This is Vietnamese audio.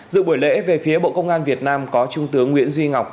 dự buổi lễ về phía bộ công an việt nam có trung tướng nguyễn duy ngọc